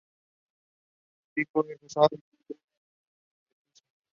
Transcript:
El pico es rosado y negro en el ápice.